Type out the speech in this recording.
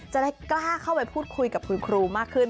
จะได้กล้าเข้าไปพูดคุยกับคุณครูมากขึ้น